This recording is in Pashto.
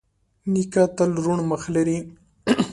نیکه تل روڼ مخ لري.